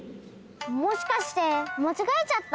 もしかしてまちがえちゃった？